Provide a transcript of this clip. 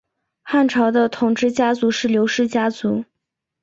汉朝的统治家族是刘氏家族。